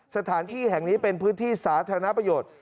สถานที่แห่งนี้เป็นพื้นที่สาธารณประโยชน์